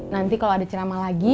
nanti kalau ada ceramah lagi